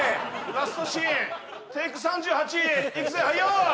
ラストシーンテイク３８いくぜはい用意